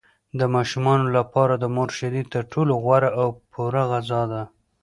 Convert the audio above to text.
د ماشومانو لپاره د مور شیدې تر ټولو غوره او پوره غذا ده.